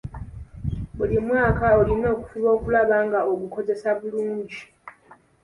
Buli mwaka olina okufuba okulaba nga ogukozesa bulungi.